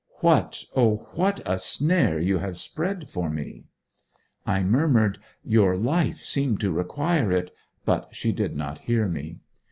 What, O what a snare you have spread for me!' I murmured, 'Your life seemed to require it,' but she did not hear me.